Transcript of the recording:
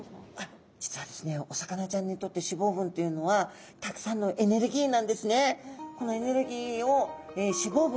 実はですねお魚ちゃんにとって脂肪分というのはたくさんのエネルギーなんですね。